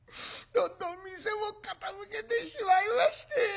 どんどん店を傾けてしまいまして。